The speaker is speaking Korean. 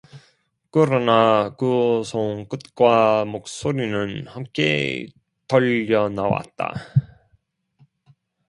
그러나 그 손끝과 목소리는 함께 떨려 나왔다.